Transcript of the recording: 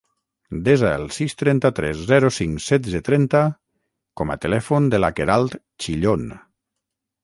Desa el sis, trenta-tres, zero, cinc, setze, trenta com a telèfon de la Queralt Chillon.